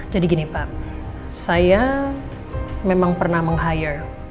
jadi gini pak saya memang pernah meng hire